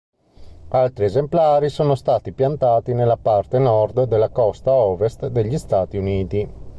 Altri esemplari sono stati piantati nella parte nord della costa ovest degli Stati Uniti.